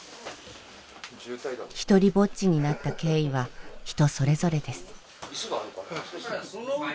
ひとりぼっちになった経緯は人それぞれです。